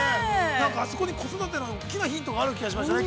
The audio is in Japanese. なんか、あそこに子育ての大きな大きなヒントがあると思いましたね。